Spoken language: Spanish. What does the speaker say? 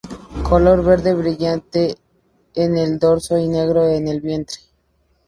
Color verde brillante en el dorso y negro en el vientre.